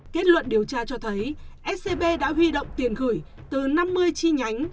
kết luận điều tra cho thấy scb đã huy động tiền gửi từ năm mươi chi nhánh